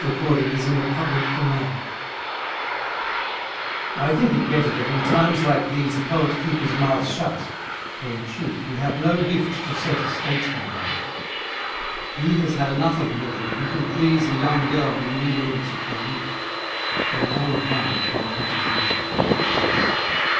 ON BEING ASKED FOR A WAR POEM I think it better that in times like these A poet keep his mouth shut, for in truth We have no gift to set a statesman right; He has had enough of meddling who can please A young girl in the indolence of her youth, Or an old man upon a winter's night.